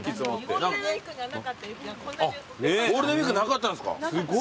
ゴールデンウイークなかったんすか？